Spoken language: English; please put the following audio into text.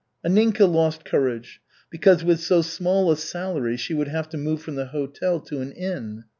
Anninka lost courage, because with so small a salary she would have to move from the hotel to an inn.